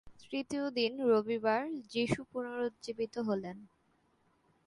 তৃতীয় দিন, রবিবার, যিশু পুনরুজ্জীবিত হলেন।